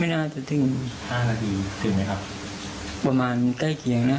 น่าจะถึงห้านาทีถึงไหมครับประมาณใกล้เคียงนะ